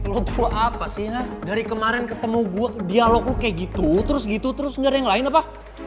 lo dua apa sih dari kemarin ketemu gue dialog lo kayak gitu terus gitu terus ga ada yang lain apa